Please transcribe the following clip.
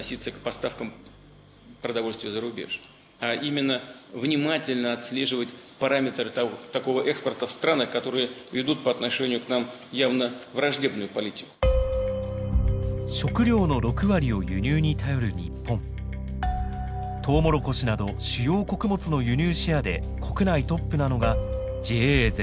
トウモロコシなど主要穀物の輸入シェアで国内トップなのがＪＡ全農です。